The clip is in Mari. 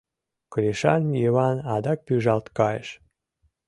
Кришан Йыван адак пӱжалт кайыш.